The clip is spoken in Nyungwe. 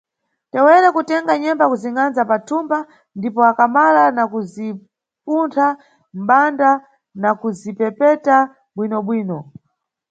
Tewere kutenga nyemba kuzingʼanza pa thumba ndipo akamala na khuzipuntha mʼbanda nakuzipepeta bwinobwino.